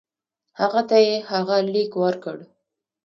هغه ته یې هغه لیک ورکړ.